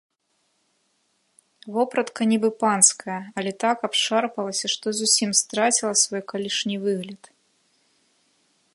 Вопратка нібы панская, але так абшарпалася, што зусім страціла свой калішні выгляд.